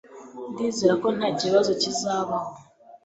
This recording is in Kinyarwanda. Ndizera ko ntakibazo kizabaho.